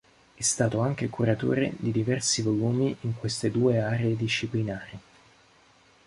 È stato anche curatore di diversi volumi in queste due aree disciplinari.